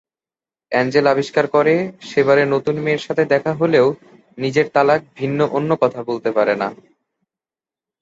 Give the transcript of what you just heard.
Angel আবিষ্কার করে সে বারে নতুন মেয়ের সাথে দেখা হলেও নিজের তালাক ভিন্ন অন্য কথা বলতে পারে না।